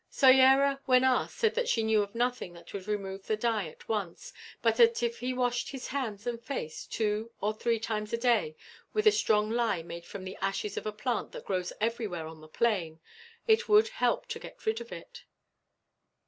Soyera, when asked, said that she knew of nothing that would remove the dye at once; but that if he washed his hands and face, two or three times a day, with a strong lye made from the ashes of a plant that grows everywhere on the plain, it would help to get rid of it.